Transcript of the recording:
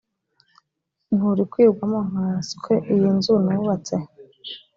nturikwirwamo nkanswe iyi nzu nubatse